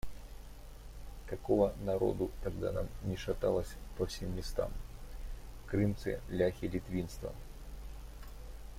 Какого народу тогда не шаталось по всем местам: крымцы, ляхи, литвинство!